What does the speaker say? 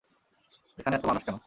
এখানে এত মানুষ কেন?